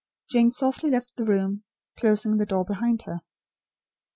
Jane softly left the room, closing the door behind her.